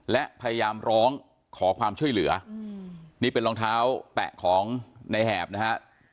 และพยายามร้องขอความช่วยเหลือนี่เป็นรองเท้าแตะของในแหบนะฮะ